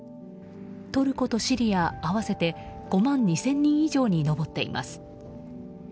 トルコとシリア合わせて５万２０００人以上に上っています。